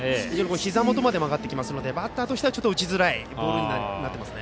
ひざ元まで曲がってきますのでバッターとしては打ちづらいボールになっています。